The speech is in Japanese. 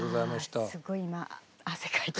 ああすごい今汗かいた。